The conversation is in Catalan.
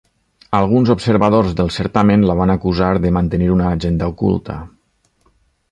Alguns observadors del certamen la van acusar de mantenir una agenda oculta.